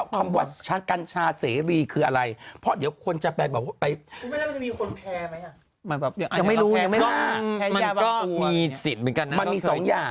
ก็มันก็มีสิทธิ์เหมือนกันมันมี๒อย่าง